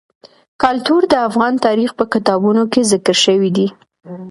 کلتور د افغان تاریخ په کتابونو کې ذکر شوی دي.